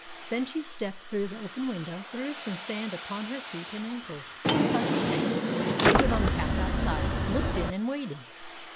Then she stepped through the open window, threw some sand upon her feet and ankles, and thus prepared, stood on the path outside, looked in, and waited.